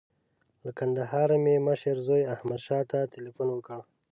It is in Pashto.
له کندهاره مې مشر زوی احمدشاه ته تیلفون وکړ.